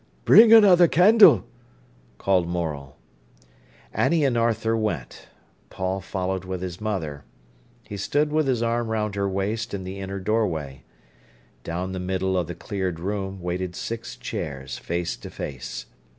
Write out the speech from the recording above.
"Bring another candle," called Morel. Annie and Arthur went. Paul followed with his mother. He stood with his arm round her waist in the inner doorway. Down the middle of the cleared room waited six chairs, face to face.